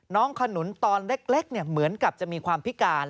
ขนุนตอนเล็กเหมือนกับจะมีความพิการ